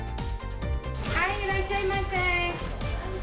はい、いらっしゃませー。